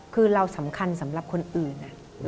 คือเราสำคัญสำหรับคนอื่น